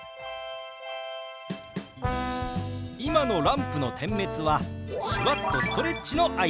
今のランプの点滅は手話っとストレッチの合図です！